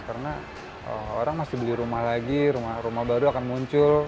karena orang masih beli rumah lagi rumah baru akan muncul